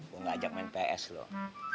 gue gak ajak main ps loh